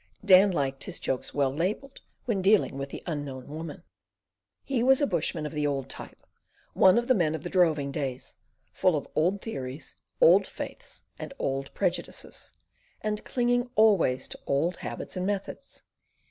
Dan liked his jokes well labelled when dealing with the unknown Woman. He was a bushman of the old type, one of the men of the droving days; full of old theories, old faiths, and old prejudices, and clinging always to old habits and methods.